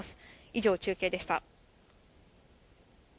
以上、中継でした。